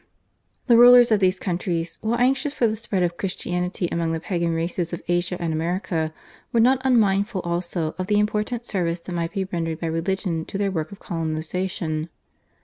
The rulers of these countries, while anxious for the spread of Christianity among the pagan races of Asia and America, were not unmindful also of the important service that might be rendered by religion to their work of colonisation.